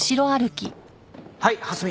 はい蓮見。